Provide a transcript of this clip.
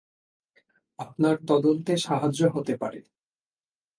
আপনার তদন্তে সাহায্য হতে পারে।